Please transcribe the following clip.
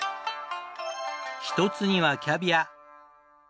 １つにはキャビア。